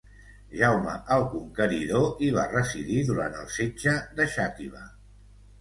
Jaume el Conqueridor hi va residir durant el setge de Xàtiva.